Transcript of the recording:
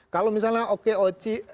kalau misalnya okeoci